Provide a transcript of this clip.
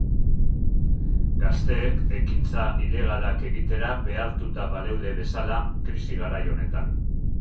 Gazteek ekintza ilegalak egitera behartuta baleude bezala, krisi garai honetan.